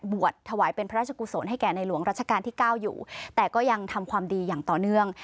ถวายเป็นพระราชกุศลให้แก่ในหลวงรัชกาลที่เก้าอยู่แต่ก็ยังทำความดีอย่างต่อเนื่อง